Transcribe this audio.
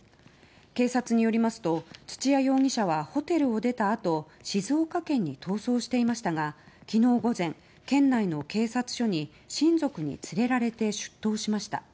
警察によりますと土屋容疑者はホテルを出たあと静岡県に逃走していましたが昨日午前、県内の警察署に親族に連れられて出頭しました。